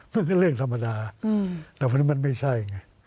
มันก็เรื่องธรรมดาแต่วันนี้มันไม่ใช่ไง